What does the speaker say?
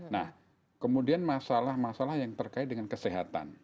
nah kemudian masalah masalah yang terkait dengan kesehatan